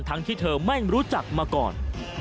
ที่เธอไม่รู้จักมาก่อน